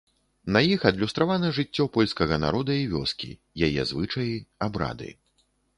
На іх адлюстравана жыццё польскага народа і вёскі, яе звычаі, абрады.